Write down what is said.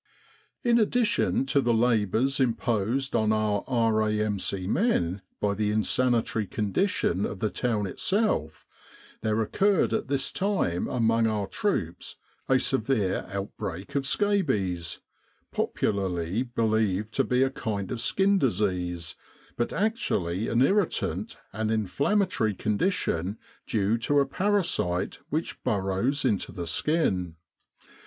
In addition to the labours imposed on our R.A.M.C. men by the insanitary condition of the town itself, there occurred at this time among our troops a severe outbreak of scabies, popularly be lieved to be a kind of skin disease, but actually an irritant and inflammatory condition due to a parasite which burrows into the skin.